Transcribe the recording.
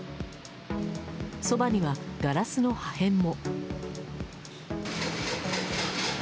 そばにはガラスの破片も。